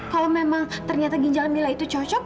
kalau memang ternyata ginjal mila itu cocok